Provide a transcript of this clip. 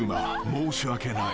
申し訳ない］